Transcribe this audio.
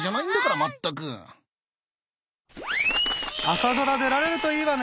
朝ドラ出られるといいわね。